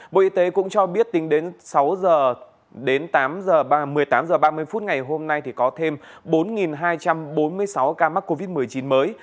bộ y tế cũng cho biết tính đến một mươi tám h ba mươi ngày hôm nay có thêm bốn hai trăm bốn mươi sáu ca mắc covid một mươi chín mới